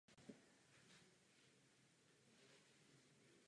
Klášter zakrátko oblehl ozbrojený lid a záhy se dostal dovnitř.